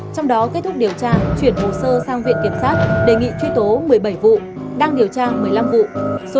trong đó kết thúc điều tra chuyển hồ sơ sang viện kiểm sát đề nghị truy tố một mươi bảy vụ đang điều tra một mươi năm vụ